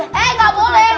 eh gak boleh